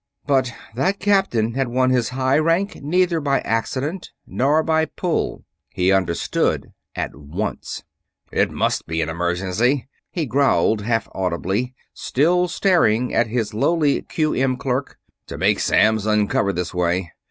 But that captain had won his high rank neither by accident nor by "pull" he understood at once. "It must be an emergency," he growled, half audibly, still staring at his lowly Q M clerk, "to make Samms uncover this way."